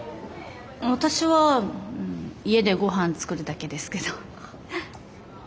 私は家でごはん作るだけですけど。